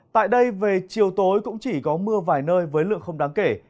tại đây về chiều tối cũng chỉ có mưa vài nơi với lượng không đáng kể